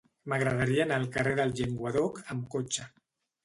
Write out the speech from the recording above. M'agradaria anar al carrer del Llenguadoc amb cotxe.